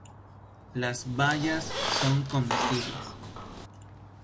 Las bayas son comestibles.